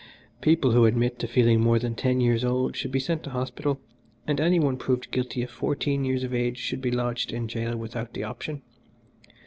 People who admit to feeling more than ten years old should be sent to hospital, and any one proved guilty of fourteen years of age should be lodged in gaol without the option.